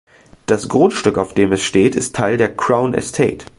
Das Grundstück, auf dem es steht, ist Teil der Crown Estate.